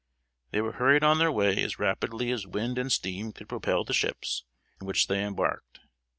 They were hurried on their way as rapidly as wind and steam could propel the ships in which they embarked.